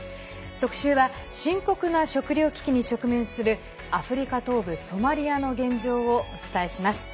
特集は深刻な食料危機に直面するアフリカ東部ソマリアの現状をお伝えします。